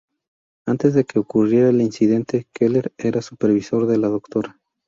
Antes de que ocurriera el "incidente", Keller era el supervisor de la Dra.